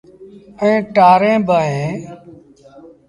ائيٚݩ تآريٚݩ بااوهيݩ۔